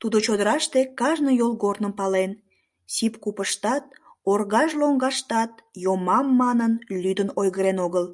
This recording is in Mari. Тудо чодыраште кажне йолгорным пален, сип купыштат, оргаж лоҥгаштат йомам манын, лӱдын-ойгырен огыл.